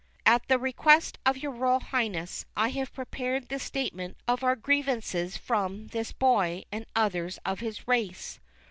At the request of your Royal Highness, I have prepared this statement of our grievances from this Boy and others of his race.